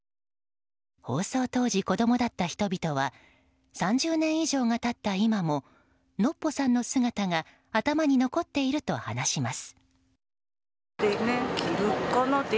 放送当時、子供だった人々は３０年以上が経った今もノッポさんの姿が頭に残っていると話します。